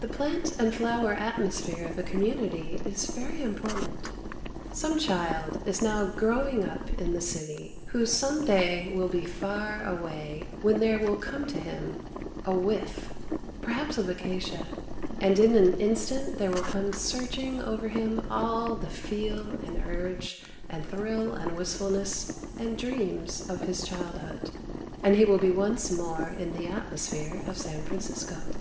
The plant and flower atmosphere of a community is very important. Some child is now growing up in the city, who some day will be far away when there will come to him a whiff, perhaps of acacia, and in an instant there will come surging over him all the feel and urge and thrill and wistfulness and dreams of his childhood, and he will be once more in the atmosphere of San Francisco.